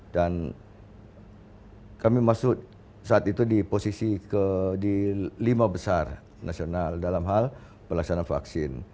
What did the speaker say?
dan kami masuk saat itu di posisi ke lima besar nasional dalam hal pelaksana vaksin